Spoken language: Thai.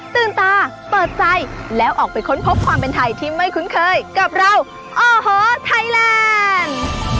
ตื่นตาเปิดใจแล้วออกไปค้นพบความเป็นไทยที่ไม่คุ้นเคยกับเราโอ้โหไทยแลนด์